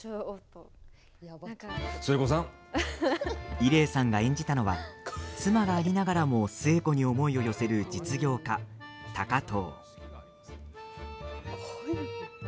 伊礼さんが演じたのは妻がありながらも寿恵子に思いを寄せる実業家、高藤。